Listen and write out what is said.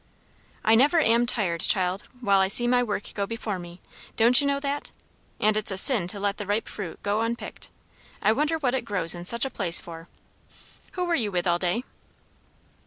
"I never am tired, child, while I see my work before me; don't you know that? And it's a sin to let the ripe fruit go unpicked. I wonder what it grows in such a place for! Who were you with all day?"